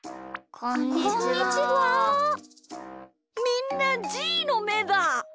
みんなじーのめだ！